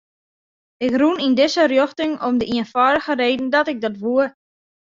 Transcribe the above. Ik rûn yn dizze rjochting om de ienfâldige reden dat ik dat woe.